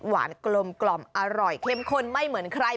หวานกลมกล่อมอร่อยเค็มคนไม่เหมือนใคร